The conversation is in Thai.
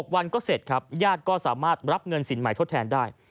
วันก็เสร็จครับญาติก็สามารถรับเงินสินใหม่ทดแทนได้